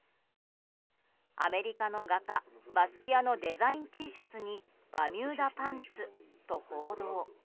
アメリカの画家バスキアのデザインＴシャツにバミューダパンツと報道。